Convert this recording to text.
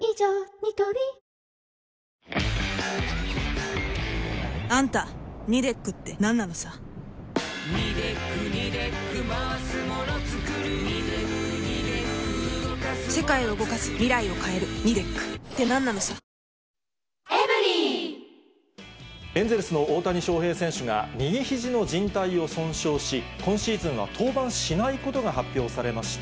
ニトリエンゼルスの大谷翔平選手が、右ひじのじん帯を損傷し、今シーズンは登板しないことが発表されました。